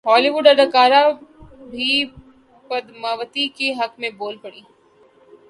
Holi would اداکارہ بھی پدماوتی کے حق میں بول پڑیں